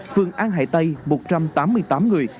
phường an hải tây một trăm tám mươi tám người